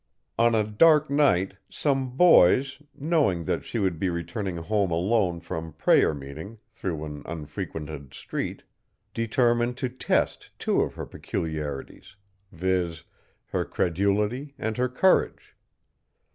On a dark night, some boys, knowing that she would be returning home alone from prayer meeting, through an unfrequented street, determined to test two of her peculiarities, viz., her credulity and her courage.